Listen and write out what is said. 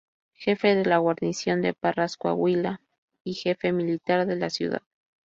Jefe de la Guarnición de Parras Coahuila y jefe militar de la ciudad.